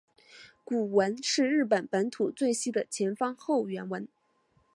古坟是日本本土最西的前方后圆坟。